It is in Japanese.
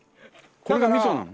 これがみそなの？